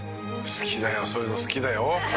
好きだよそういうの好きだよ。